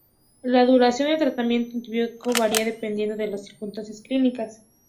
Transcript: La duración del tratamiento antibiótico variará dependiendo de las circunstancias clínicas.